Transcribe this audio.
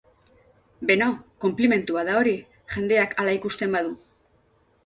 Beno, konplimendua da hori, jendeak hala ikusten badu.